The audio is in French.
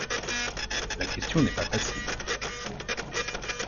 La question n'est pas facile.